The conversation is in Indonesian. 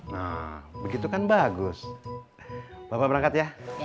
nah begitu kan bagus bapak berangkat ya